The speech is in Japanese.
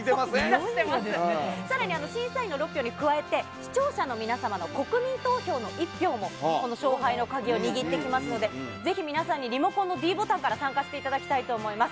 さらに、審査員の６票に加えて、視聴者の皆様の国民投票の１票も、この勝敗の鍵を握ってきますので、ぜひ皆さんにリモコンのｄボタンから参加していただきたいと思います。